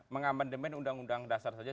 mengamandemen undang undang dasar saja